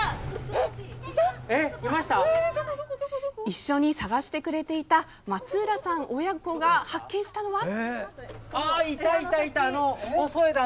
一緒に探してくれていた松浦さん親子が発見したのは。